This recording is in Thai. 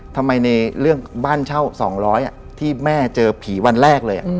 ทำไมในเรื่องบ้านเช่า๒๐๐ที่แม่เจอผีวันแรกเลย